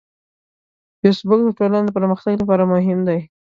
فېسبوک د ټولنې د پرمختګ لپاره مهم دی